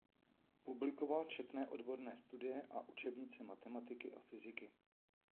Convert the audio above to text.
Publikoval četné odborné studie a učebnice matematiky a fyziky.